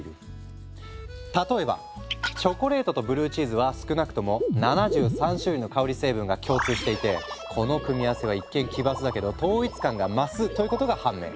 例えばチョコレートとブルーチーズは少なくとも７３種類の香り成分が共通していてこの組み合わせは一見奇抜だけど統一感が増すということが判明。